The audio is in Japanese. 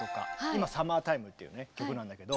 今「サマータイム」っていう曲なんだけど。